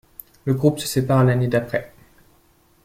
Le groupe se sépare l'année d'après.